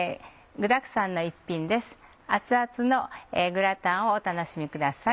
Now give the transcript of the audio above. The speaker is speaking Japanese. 熱々のグラタンをお楽しみください。